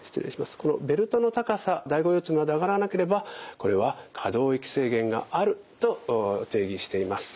このベルトの高さ第５腰椎まで上がらなければこれは可動域制限があると定義しています。